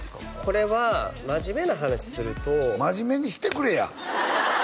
これは真面目な話すると真面目にしてくれや！